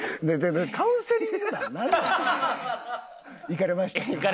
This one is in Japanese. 「行かれましたか？」